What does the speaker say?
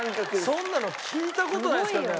そんなの聞いた事ないですからね